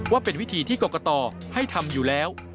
ว่าเป็นวิธีที่กรกตให้ทำอยู่แล้ว